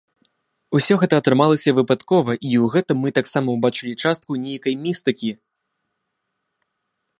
Усё гэта атрымалася выпадкова, і ў гэтым мы таксама ўбачылі частку нейкай містыкі.